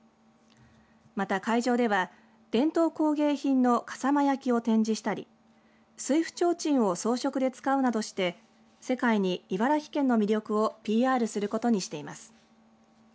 また会場では伝統工芸品の笠間焼を展示したり水府提灯を装飾で使うなどして世界に茨城県の魅力をＰＲすることにしています。